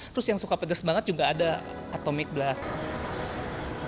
terus yang suka pedas banget juga ada atomic blast